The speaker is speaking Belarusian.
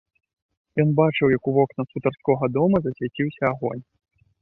Ён бачыў, як у вокнах хутарскога дома засвяціўся агонь.